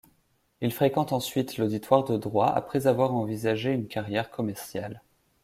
Il fréquente ensuite l'auditoire de droit, après avoir envisagé une carrière commerciale.